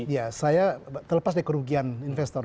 ya saya terlepas dari kerugian investor